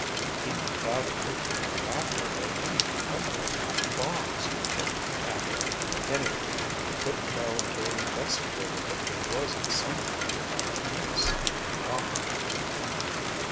"Even without a nuclear reactor or any potential atom bombs," Rick added. "Anyway, we couldn't know until we investigated that there wasn't some kind of atomic menace in the offing."